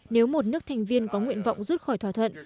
nếu một nước thành viên có nguyện vọng rút khỏi thỏa thuận